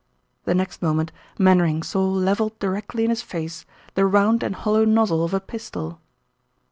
The next moment Mainwaring saw leveled directly in his face the round and hollow nozzle of a pistol.